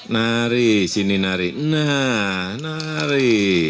nari sini nari nah nari